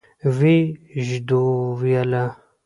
ويې ژدويله.